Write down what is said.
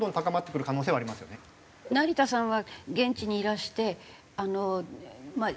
成田さんは現地にいらしてまあ